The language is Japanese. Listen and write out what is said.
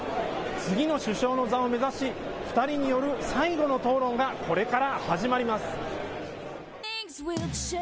次の首相の座を目指し２人による最後の討論がこれから始まります。